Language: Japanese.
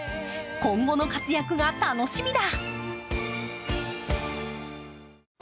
今後も活躍が楽しみだ。